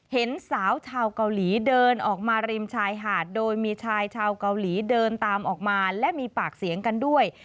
เห็นสาวชาวเกาหลีเดินออกมาริมชายหาดโดยมีชายชาวเกาหลีเดินตามออกมาและมีปากเสียงกันด้วย